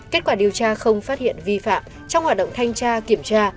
kết quả điều tra không phát hiện vi phạm trong hoạt động thanh tra kiểm tra